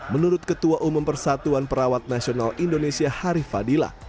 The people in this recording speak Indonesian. menurut ketua umum persatuan perawat nasional indonesia harif fadila